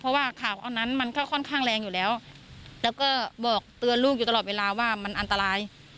เพราะว่าข่าวอันนั้นมันก็ค่อนข้างแรงอยู่แล้วแล้วก็บอกเตือนลูกอยู่ตลอดเวลาว่ามันอันตราย